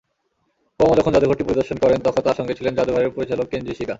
Obama যখন জাদুঘরটি পরিদর্শন করেন, তখন তাঁর সঙ্গে ছিলেন জাদুঘরের পরিচালক কেনজি শিগা।